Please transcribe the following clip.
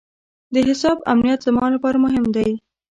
د حساب امنیت زما لپاره مهم دی.